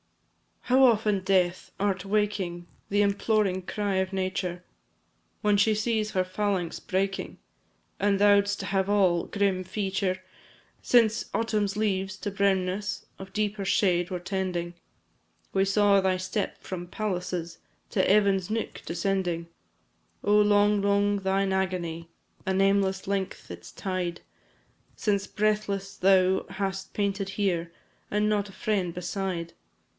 How often, Death! art waking The imploring cry of Nature! When she sees her phalanx breaking, As thou'dst have all grim feature! Since Autumn's leaves to brownness, Of deeper shade were tending, We saw thy step, from palaces, To Evan's nook descending. Oh, long, long thine agony! A nameless length its tide; Since breathless thou hast panted here, And not a friend beside.